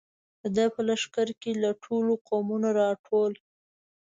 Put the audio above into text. د ده په لښکر کې له ټولو قومونو را ټول.